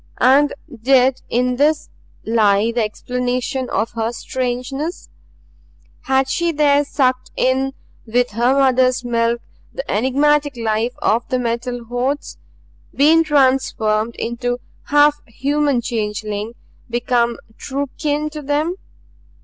And did in this lie the explanation of her strangeness? Had she there sucked in with her mother's milk the enigmatic life of the Metal Hordes, been transformed into half human changeling, become true kin to them?